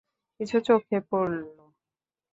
কিছু চোখে পড়লো?